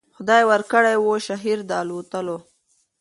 خدای ورکړی وو شهپر د الوتلو